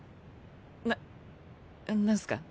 な何すか？